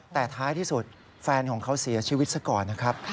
แต่ท้ายที่สุดแฟนของเขาเสียชีวิตซะก่อนนะครับ